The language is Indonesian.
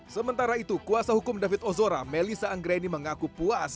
sementara itu kuasa hukum david ozora melisa anggreni mengaku puas